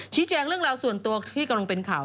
แจ้งเรื่องราวส่วนตัวที่กำลังเป็นข่าว